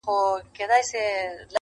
کښتي وان ویل مُلا صرفي لا څه دي!.